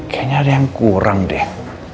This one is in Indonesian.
kayaknya ada yang kurang deh